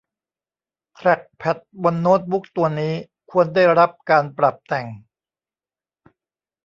แทรคแพดบนโน้ตบุ๊คตัวนี้ควรได้รับการปรับแต่ง